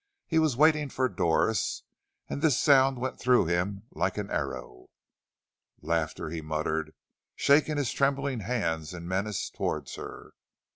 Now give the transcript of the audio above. He was waiting for Doris, and this sound went through him like an arrow. "Laughter," he muttered, shaking his trembling hands in menace towards her.